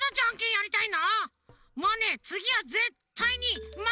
やりたい。